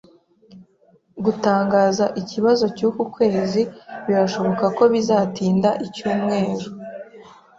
Gutangaza ikibazo cyuku kwezi birashoboka ko bizatinda icyumweru.